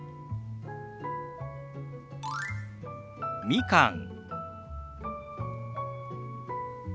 「みかん」。